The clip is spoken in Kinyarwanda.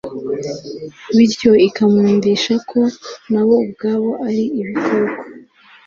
bityo ikabumvisha ko na bo ubwabo ari ibikoko